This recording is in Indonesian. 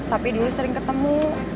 tapi dia sering ketemu